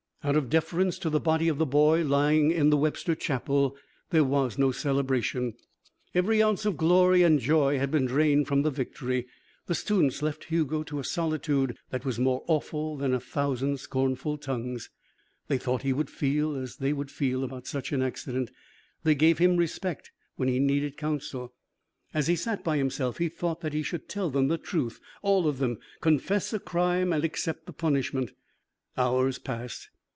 Out of deference to the body of the boy lying in the Webster chapel there was no celebration. Every ounce of glory and joy had been drained from the victory. The students left Hugo to a solitude that was more awful than a thousand scornful tongues. They thought he would feel as they would feel about such an accident. They gave him respect when he needed counsel. As he sat by himself, he thought that he should tell them the truth, all of them, confess a crime and accept the punishment. Hours passed.